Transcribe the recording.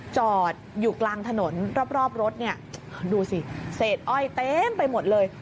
จอดอยู่กลางถนนรอบรถเนี่ยดูสิเศษอ้อยเต็มไปหมดเลย